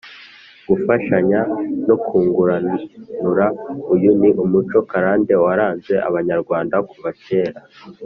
gufashanya no kuganura. uyu ni umuco karande waranze abanyarwanda kuva kera